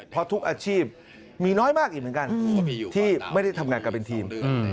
เพราะทุกอาชีพมีน้อยมากอีกเหมือนกันที่ไม่ได้ทำงานกันเป็นทีม